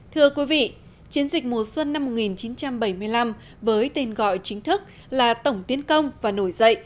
thưa quý vị chiến dịch mùa xuân năm một nghìn chín trăm bảy mươi năm với tên gọi chính thức là tổng tiến công và nổi dậy